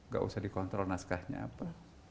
gak usah dikontrol naskahnya apa